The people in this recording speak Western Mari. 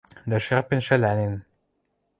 Дӓ шӹрпӹн шӓлӓнен